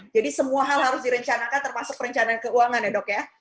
jadi semua hal harus direncanakan termasuk perencanaan keuangan ya dok ya